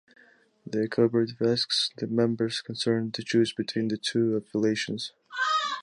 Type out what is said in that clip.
The cooperative asks the members concerned to choose between the two affiliations.